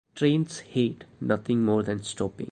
Trains hate nothing more than stopping.